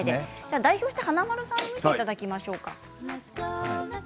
代表して華丸さんに見ていただきましょうか。